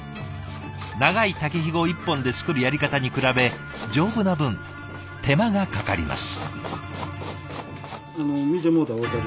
長い竹ひご１本で作るやり方に比べ丈夫な分手間がかかります。